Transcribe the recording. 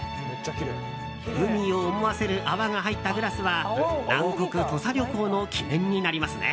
海を思わせる泡が入ったグラスは南国土佐旅行の記念になりますね。